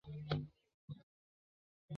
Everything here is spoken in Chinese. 三部作品是以倒叙的方式讲述整个系列。